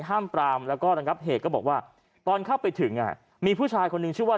ห้ามปรามแล้วก็ระงับเหตุก็บอกว่าตอนเข้าไปถึงอ่ะมีผู้ชายคนหนึ่งชื่อว่า